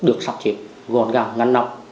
được sọc chếp gòn gàng ngăn nọc